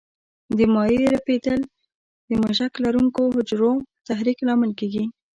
د مایع رپېدل د مژک لرونکو حجرو تحریک لامل کېږي.